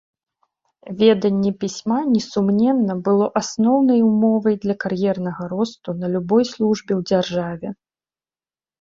Веданне пісьма, несумненна, было асноўнай умовай для кар'ернага росту на любой службе ў дзяржаве.